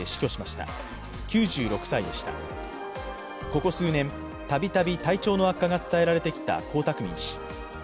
ここ数年、たびたび体調の悪化が伝えられてきた江沢民氏。